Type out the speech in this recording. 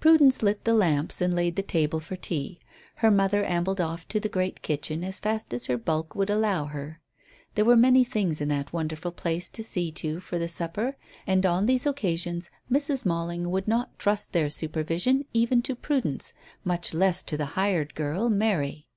Prudence lit the lamps and laid the table for tea. Her mother ambled off to the great kitchen as fast as her bulk would allow her. There were many things in that wonderful place to see to for the supper, and on these occasions Mrs. Malling would not trust their supervision even to Prudence, much less to the hired girl, Mary.